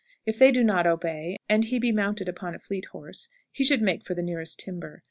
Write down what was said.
If they do not obey, and he be mounted upon a fleet horse, he should make for the nearest timber.